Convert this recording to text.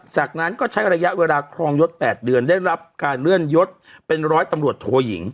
จากนั้นก็ใช้ระยะเวลาครองยศ๘เดือนได้รับการเลื่อนยศเป็นร้อยตำรวจโทยิง